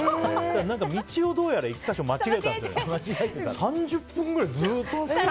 道をどうやら１か所間違えたようで。